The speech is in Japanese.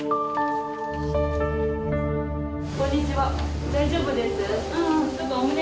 こんにちは。